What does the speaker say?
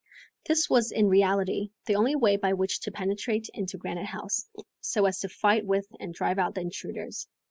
This was in reality the only way by which to penetrate into Granite House so as to fight with and drive out the intruders.